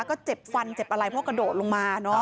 ก็เจ็บฟันเจ็บอะไรเพราะกระโดดลงมาเนอะ